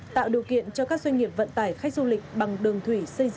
tạo điều kiện cho các doanh nghiệp vận tải khách du lịch